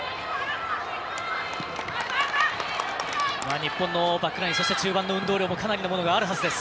日本のバックナイン中盤の運動量もかなりのものがあるはずです。